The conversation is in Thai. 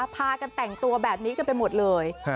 พากันแต่งตัวแบบนี้กันไปหมดเลย